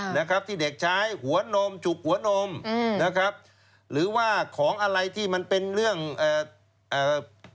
นะครับที่เด็กใช้หัวนมจุกหัวนมอืมนะครับหรือว่าของอะไรที่มันเป็นเรื่องเอ่อเอ่อ